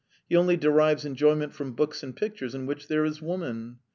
... He only derives enjoyment from books and pictures in which there is woman.